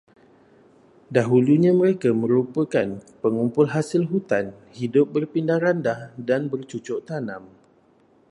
Dahulunya mereka merupakan pengumpul hasil hutan, hidup berpindah-randah, dan bercucuk tanam.